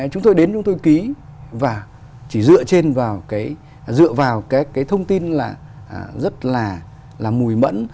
chúng tôi đến chúng tôi ký và chỉ dựa vào cái thông tin là rất là mùi mẫn